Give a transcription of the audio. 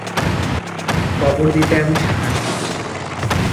কবর দিতে আমি সাহায্য করি।